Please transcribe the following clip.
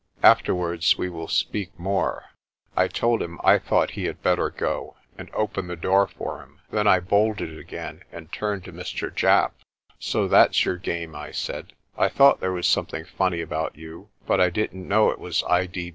"Afterwards we will speak more." I told him I thought he had better go, and opened the door for him. Then I bolted it again, and turned to Mr. Japp. "So that's your game," I said. "I thought there was something funny about you, but I didn't know it was I.